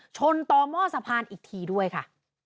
ชนต่อหม้อสะพานอีกทีด้วยค่ะ